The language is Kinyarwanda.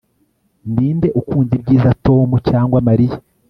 Ninde ukunda ibyiza Tom cyangwa Mariya